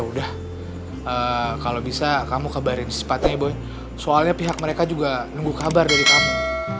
udah kalau bisa kamu kabarin sepatunya boy soalnya pihak mereka juga nunggu kabar dari kamu